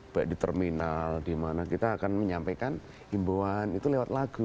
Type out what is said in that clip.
baik di terminal dimana kita akan menyampaikan imbuan itu lewat lagu